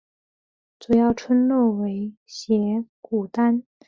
主要村落为斜古丹。